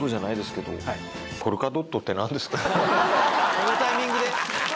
このタイミングで？